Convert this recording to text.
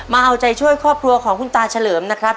มาเอาใจช่วยครอบครัวของคุณตาเฉลิมนะครับ